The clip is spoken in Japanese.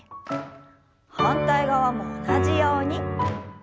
反対側も同じように。